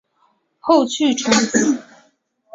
后去重庆。